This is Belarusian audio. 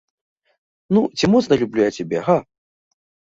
Ну, ці моцна люблю я цябе, га?